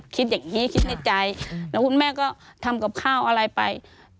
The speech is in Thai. คิดอย่างนี้คิดในใจแล้วคุณแม่ก็ทำกับข้าวอะไรไป